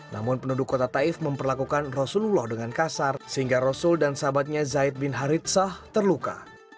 namun penduduk kota taif memperlakukan rasulullah dengan kasar sehingga rasul dan sahabatnya zaid bin haritsah terluka